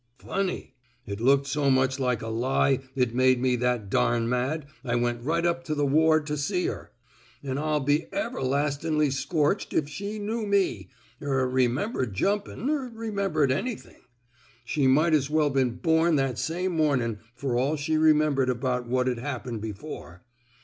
Funny I It looked so much like a fie it made me that dam mad I went right up to the ward to see her. An' I'll be everlastin'ly scorched if she knew me, er remembered jumpin' — er remembered anythin'. She might as well been bom that same momin' fer all she remembered about what'd hap pened before.